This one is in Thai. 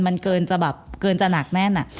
มันเกินจะแบบเกินจะหนักแน่นอะ